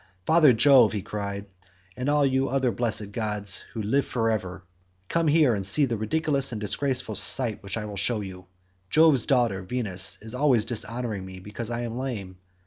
"Father Jove," he cried, "and all you other blessed gods who live for ever, come here and see the ridiculous and disgraceful sight that I will show you. Jove's daughter Venus is always dishonouring me because I am lame.